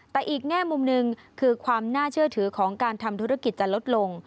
แต่อีกแง่มุมหนึ่งคือความน่าเชื่อถือของการทำธุรกิจจะลดลง